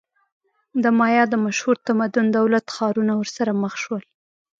د مایا د مشهور تمدن دولت-ښارونه ورسره مخ شول.